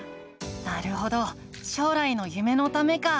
なるほど将来の夢のためか。